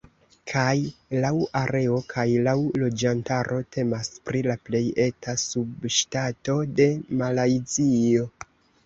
Kaj laŭ areo kaj laŭ loĝantaro temas pri la plej eta subŝtato de Malajzio.